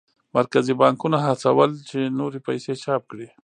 مرکزي بانکونه هڅول چې نورې پیسې چاپ کړي.